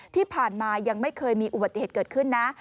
ที่ผ่านมายังไม่เคยมีอุบัติเหตุเกิดขึ้นนะ